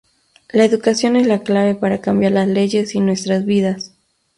La educación es la clave para cambiar las leyes y nuestras vidas.